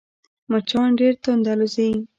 مچان ډېر تند الوزي